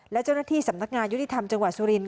และเจ้าหน้าที่สำนักงานยุติธรรมจังหวัดสุรินท